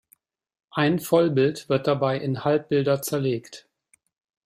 Ein Vollbild wird dabei in Halbbilder zerlegt.